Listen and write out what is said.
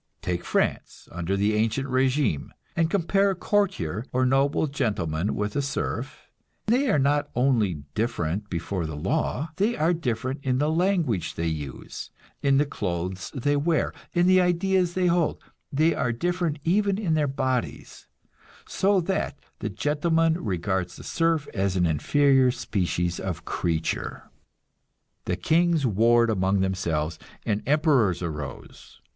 Take France, under the ancient régime, and compare a courtier or noble gentleman with a serf; they are not only different before the law, they are different in the language they use, in the clothes they wear, in the ideas they hold; they are different even in their bodies, so that the gentleman regards the serf as an inferior species of creature. The kings warred among themselves and emperors arose.